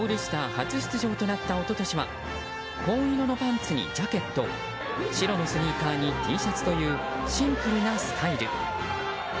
初出場となった一昨年は紺色のパンツにジャケット白のスニーカーにＴシャツというシンプルなスタイル。